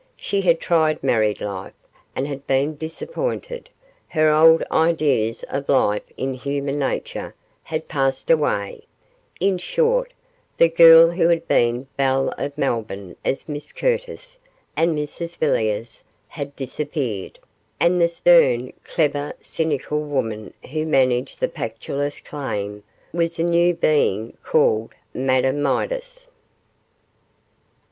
She had tried married life, and had been disappointed; her old ideas of belief in human nature had passed away; in short, the girl who had been the belle of Melbourne as Miss Curtis and Mrs Villiers had disappeared, and the stern, clever, cynical woman who managed the Pactolus claim was a new being called 'Madame Midas'.